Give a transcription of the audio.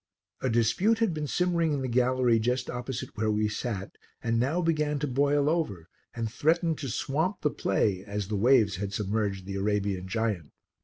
A dispute had been simmering in the gallery just opposite where we sat, and now began to boil over, and threatened to swamp the play as the waves had submerged the Arabian giant.